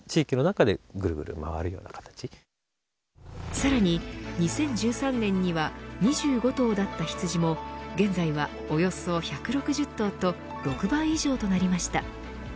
さらに２０１３年には２５頭だった羊も現在はおよそ１６０頭と６倍以上となりました。